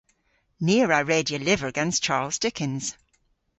Ni a wra redya lyver gans Charles Dickens.